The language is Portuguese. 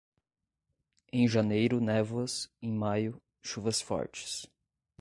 Em janeiro névoas, em maio, chuvas fortes.